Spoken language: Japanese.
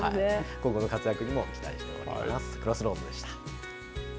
今後の活躍にも期待したいと思います。